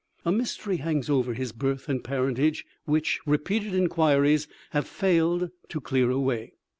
A mystery hangs over his birth and parentage, which repeated inquiries have failed to clear away.